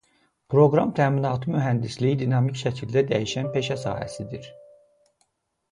Proqram təminatı mühəndisliyi dinamik şəkildə dəyişən peşə sahəsidir.